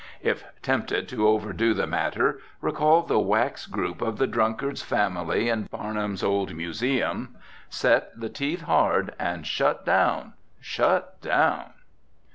If tempted to overdo the matter, recall the wax group of the Drunkard's Family in Barnum's old museum, set the teeth hard, and shut down, shut down!